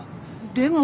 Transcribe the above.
でも。